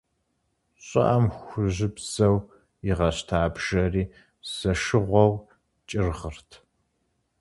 ЩӀыӀэм хужьыбзэу игъэщта бжэри зэшыгъуэу кӀыргъырт.